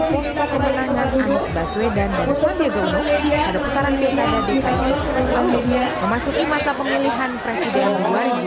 sejumlah tokoh politik aktivis bahkan masyarakat biasa yang mempunyai visi yang sama untuk mempostor relawan dari berbagai macam warangan